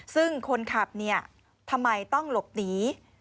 ซึ่งคนทรัพย์ทำไมต้องหลบหนี